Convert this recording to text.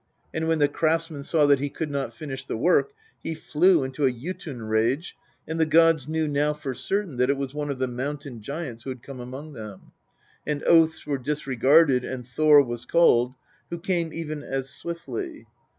" And when the craftsman saw that he could not finish the work he flew into a Jotun rage, and the gods knew now for certain that it was one of the Mountain giants who had come among them ; and oaths were disregarded and Thor was called, who came even as swiftly.